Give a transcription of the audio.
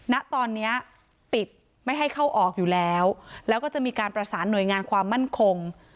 ณตอนนี้ปิดไม่ให้เข้าออกอยู่แล้วแล้วก็จะมีการประสานหน่วยงานความมั่นคง